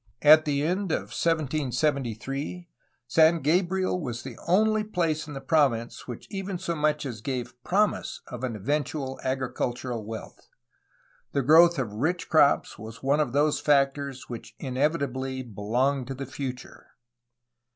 At the end of 1773 San Gabriel was the only place in the province which even so much as gave promise of an eventual agricultural wealth. The growth of rich crops was one of those factors which inevitably belonged to the future.